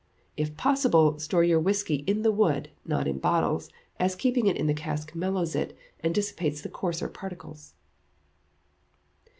If possible, store your whisky in the wood, not in bottles as keeping it in the cask mellows it, and dissipates the coarser particles.